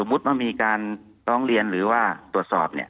สมมติว่ามีการล้องเรียนหรือว่าตรวจสอบ